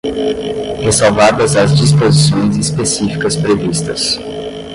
ressalvadas as disposições específicas previstas